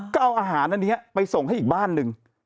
ก็เอาอาหารอันนี้ไปส่งให้อีกบ้านหนึ่ง